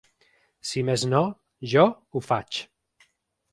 Si més no, jo ho faig.